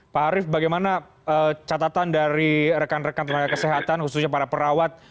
pak arief bagaimana catatan dari rekan rekan tenaga kesehatan khususnya para perawat